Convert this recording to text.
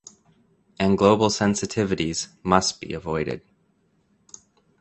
And global sensitivities must be avoided.